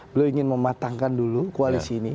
beliau ingin mematangkan dulu koalisi ini